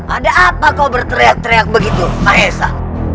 ada apa kau berteriak teriak begitu mahesa